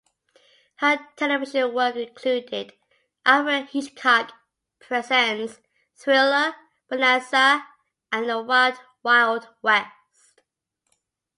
Her television work included "Alfred Hitchcock Presents", "Thriller", "Bonanza" and "The Wild Wild West".